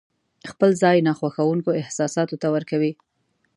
خپل ځای ناخوښونکو احساساتو ته ورکوي.